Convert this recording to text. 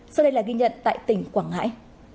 sau đây là ghi nhận tại tỉnh quảng hải